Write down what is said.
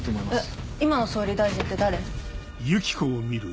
えっ今の総理大臣って誰？